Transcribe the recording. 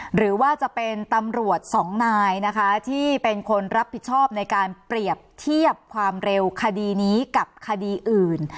หรือว่าจะเป็นตำรวจสองนายนะคะที่เป็นคนรับผิดชอบในการเปรียบเทียบความเร็วคดีนี้กับคดีอื่น